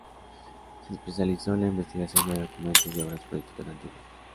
Se especializó en la investigación de documentos y obras políticas antiguas.